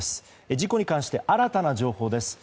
事故に関して新たな情報です。